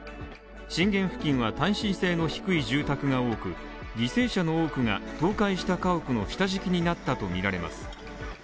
震源付近は耐震性の低い住宅が多く犠牲者の多くが倒壊した家屋の下敷きになったとみられます。